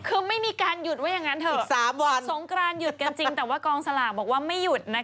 คือไม่มีการหยุดว่าอย่างนั้นเถอะสงกรานหยุดกันจริงแต่ว่ากองสลากบอกว่าไม่หยุดนะคะ